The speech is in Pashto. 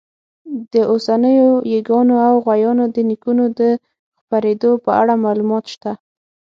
د اوسنیو ییږانو او غویانو د نیکونو د خپرېدو په اړه معلومات شته.